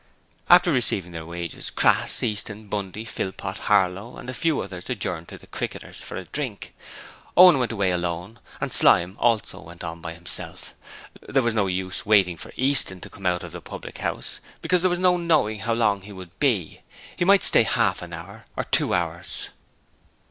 After receiving their wages, Crass, Easton, Bundy, Philpot, Harlow and a few others adjourned to the Cricketers for a drink. Owen went away alone, and Slyme also went on by himself. There was no use waiting for Easton to come out of the public house, because there was no knowing how long he would be; he might stay half an hour or two hours.